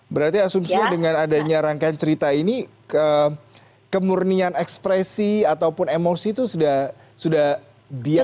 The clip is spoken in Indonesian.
berarti asumsinya dengan adanya rangkaian cerita ini kemurnian ekspresi ataupun emosi itu sudah biasa